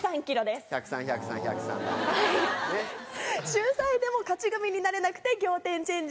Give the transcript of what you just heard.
秀才でも勝ち組になれなくて仰天チェンジ